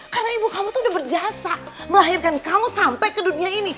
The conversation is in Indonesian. karena ibu kamu tuh udah berjasa melahirkan kamu sampai ke dunia ini